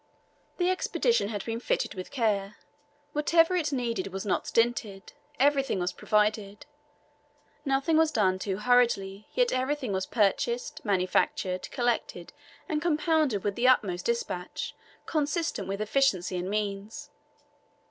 The Expedition has been fitted with care; whatever it needed was not stinted; everything was provided. Nothing was done too hurriedly, yet everything was purchased, manufactured, collected, and compounded with the utmost despatch consistent with efficiency and means.